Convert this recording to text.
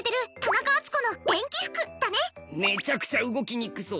めちゃくちゃ動きにくそう。